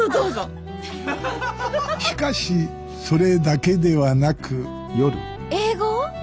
しかしそれだけではなく英語を？